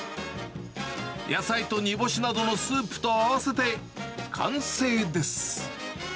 野菜と煮干しなどのスープと合わせて、完成です。